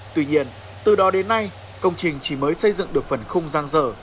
tuy nhiên từ đó đến nay công trình chỉ mới xây dựng được phần khung giang dở